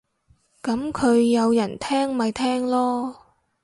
噉佢有人聽咪聽囉